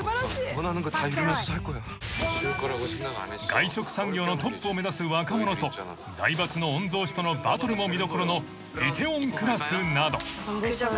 ［外食産業のトップを目指す若者と財閥の御曹司とのバトルも見どころの『梨泰院クラス』など］